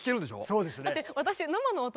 そうですね。